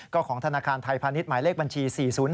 ก็ของธนาคารไทยพาณิชย์หมายเลขบัญชี๔๐๕